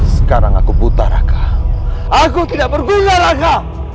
sekarang aku buta raka aku tidak berguna raka